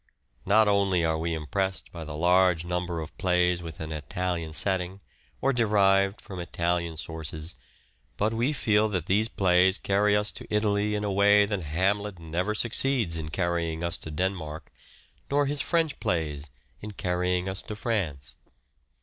Not only are we impressed by the large number of plays with an Italian setting or derived from Italian sources, but we feel that these plays carry us to Italy in a way that " Hamlet " never succeeds in carrying us to Denmark, nor his French plays in carrying us to France.